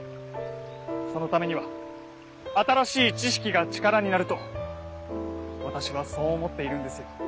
そのためには新しい知識が力になると私はそう思っているんですよ。